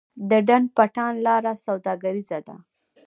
د ډنډ پټان لاره سوداګریزه ده